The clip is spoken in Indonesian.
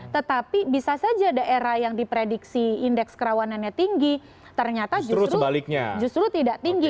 tetapi bisa saja daerah yang diprediksi indeks kerawanannya tinggi ternyata justru tidak tinggi